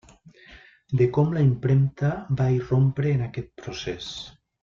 De com la impremta va irrompre en aquest procés.